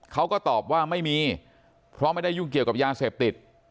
เขาก็ตอบว่าไม่มีเพราะไม่ได้ยุ่งเกี่ยวกับยาเสพติด